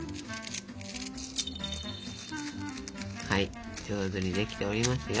はい上手にできておりますよ。